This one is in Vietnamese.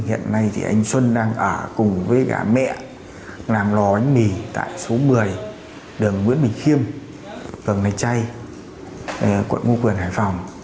hiện nay thì anh xuân đang ở cùng với cả mẹ làm lò bánh mì tại số một mươi đường nguyễn bình khiêm phường lạch chay quận ngo quyền hải phòng